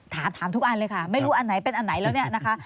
ถามทุกอันเลยค่ะไม่รู้อันไหนเป็นอันไหนแล้วเนี่ยนะคะ